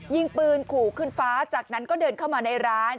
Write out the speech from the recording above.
ยิงปืนขู่ขึ้นฟ้าจากนั้นก็เดินเข้ามาในร้าน